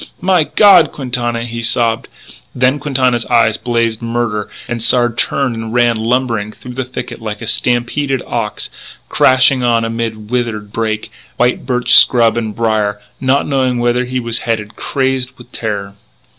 "My God, Quintana " he sobbed. Then Quintana's eyes blazed murder: and Sard turned and ran lumbering through the thicket like a stampeded ox, crashing on amid withered brake, white birch scrub and brier, not knowing whither he was headed, crazed with terror.